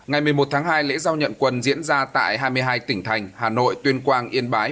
ngày một mươi một tháng hai lễ giao nhận quân diễn ra tại hai mươi hai tỉnh thành hà nội tuyên quang yên bái